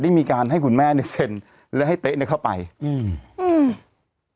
มีการให้คุณแม่เนี้ยเซ็นแล้วให้เต๊ะเนี้ยเข้าไปอืมอืม